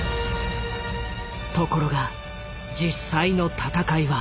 ところが実際の戦いは？